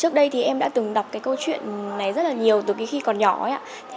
trước đây thì em đã từng đọc câu chuyện này rất là nhiều từ khi còn nhỏ